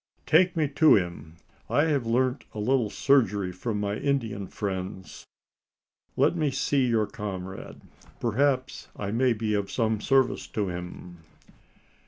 "Take me to him! I have learnt a little surgery from my Indian friends. Let me see your comrade! Perhaps I may be of some service to him?"